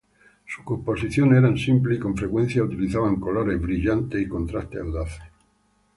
Sus composiciones eran simples, y con frecuencia utilizan colores brillantes y contrastes audaces.